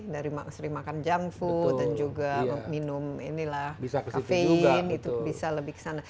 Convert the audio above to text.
dari sering makan junk food dan juga minum inilah kafein itu bisa lebih ke sana